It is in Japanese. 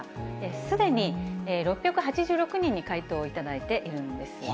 すでに６８６人に回答を頂いているんです。